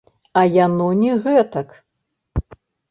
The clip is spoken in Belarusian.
А яно не гэтак.